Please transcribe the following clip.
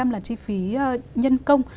một mươi năm là chi phí nhân công